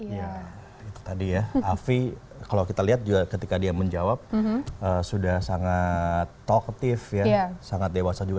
ya itu tadi ya afi kalau kita lihat juga ketika dia menjawab sudah sangat talk ative ya sangat dewasa juga